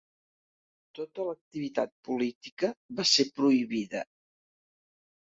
Tota l'activitat política va ser prohibida.